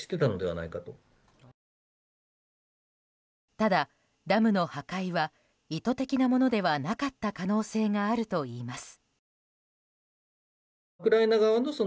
ただ、ダムの破壊は意図的なものではなかった可能性があるといいます。